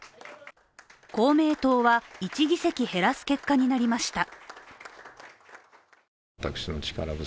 公明党は１議席減らす結果になりました。